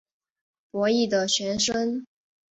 伯益的玄孙。